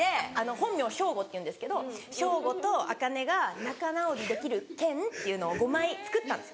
本名省吾っていうんですけど「省吾とあかねが仲直りできる券」っていうのを５枚作ったんです。